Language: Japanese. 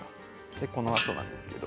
でこのあとなんですけど。